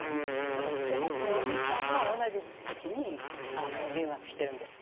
だから捨松のお兄さんも同じ時期に留学してるんです。